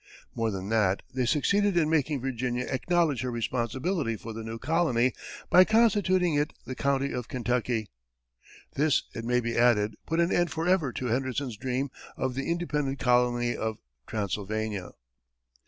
More than that, they succeeded in making Virginia acknowledge her responsibility for the new colony by constituting it the county of Kentucky. This, it may be added, put an end forever to Henderson's dream of the independent colony of Transylvania.